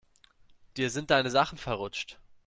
Dir sind deine Sachen verrutscht.